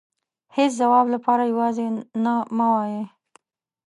هيچ ځواب لپاره يوازې نه مه وايئ .